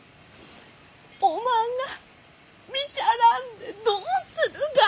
おまんが見ちゃらんでどうするが。